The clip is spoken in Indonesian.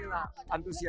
ada lagi yang terbaik